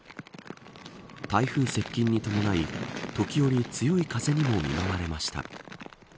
台風接近に伴い時折強い風にも見舞われました。